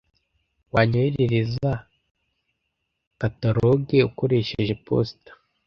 Wanyoherereza kataloge ukoresheje posita?